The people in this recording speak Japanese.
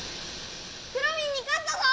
くろミンにかったぞ！